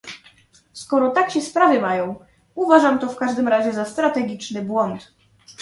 Skoro tak się sprawy mają, uważam to w każdym razie za strategiczny błąd